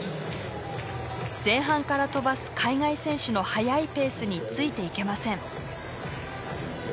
前半からとばす海外選手の速いペースについていけません。